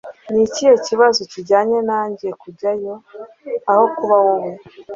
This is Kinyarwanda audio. Ni ikihe kibazo kijyanye nanjye kujyayo aho kuba wowe?